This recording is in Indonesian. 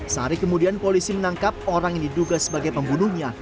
sehari kemudian polisi menangkap orang yang diduga sebagai pembunuhnya